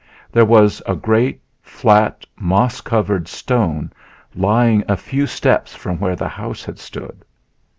There was a great, flat, moss covered stone lying a few steps from where the house had stood.